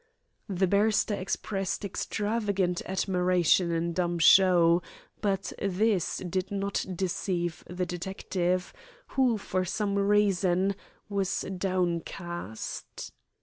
The barrister expressed extravagant admiration in dumb show, but this did not deceive the detective, who, for some reason, was downcast.